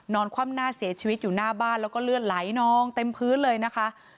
คว่ำหน้าเสียชีวิตอยู่หน้าบ้านแล้วก็เลือดไหลนองเต็มพื้นเลยนะคะ